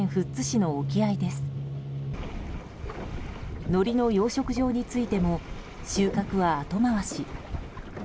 のりの養殖場に着いても収穫は後回し。